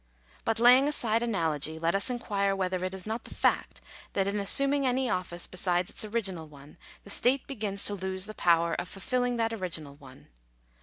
But laying aside analogy, let us inquire whether it is not the fact, that in assuming any office besides its original one, the state begins to lose the power of fulfilling that original one.